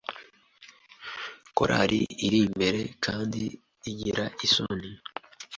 Karoli arimbere kandi agira isoni.